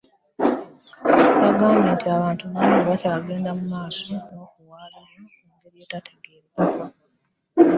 Yagambye nti abantu bangi bakyagenda mu maaso n'okuwambibwa mu ngeri etategeerekeka.